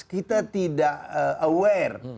kita tidak aware